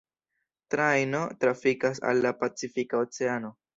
Trajno trafikas al la Pacifika oceano.